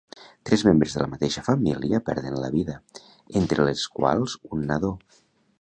Tres membres de la mateixa família perden la vida, entre les quals un nadó.